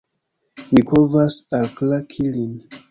Mi povas alklaki lin!